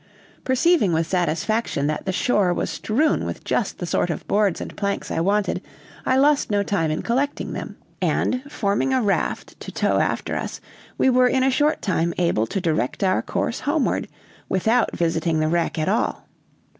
Perceiving with satisfaction that the shore was strewn with just the sort of boards and planks I wanted, I lost no time in collecting them; and, forming a raft to tow after us, we were in a short time able to direct our course homeward, without visiting the wreck at all.